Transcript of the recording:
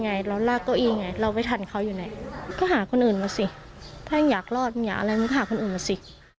เราไปถันเขาอยู่ไหนก็หาคนอื่นมาสิถ้ายังอยากรอดอยากอะไรก็หาคนอื่นมาสิ